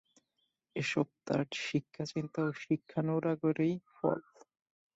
এসব তাঁর শিক্ষাচিন্তা ও শিক্ষানুরাগেরই ফল।